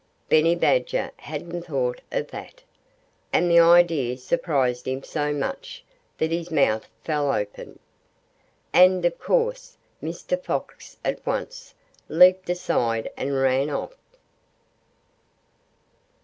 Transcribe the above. Benny Badger hadn't thought of that. And the idea surprised him so much that his mouth fell open. And of course Mr. Fox at once leaped aside and ran off.